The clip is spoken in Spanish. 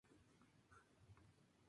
Las pet rock originales no tenían ojos.